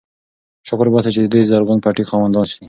شکر وباسئ چې د دې زرغون پټي خاوندان یئ.